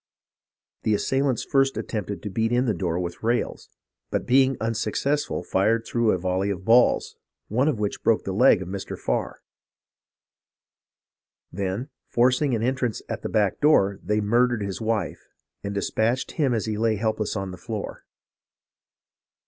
The assailants lirst attempted to beat in the door with rails, but being unsuccessful fired through a volley of balls, one of which broke the leg of Mr. Farr ; then, forcing an entrance at a back door, they murdered his wife, and despatched him as he lay help less on the floor.